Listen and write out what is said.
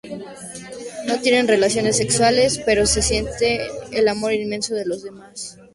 No tienen relaciones sexuales, pero sienten el amor inmenso de los demás.